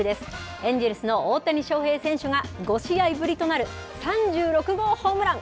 エンジェルスの大谷翔平選手が５試合ぶりとなる３６号ホームラン。